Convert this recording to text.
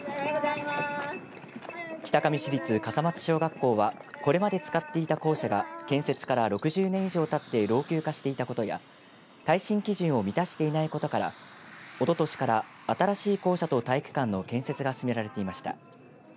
北上市立笠松小学校はこれまで使っていた校舎が建設から６０年以上たって老朽化していたことや耐震基準を満たしていないことからおととしから新しい校舎と体育館の建設が進められていました。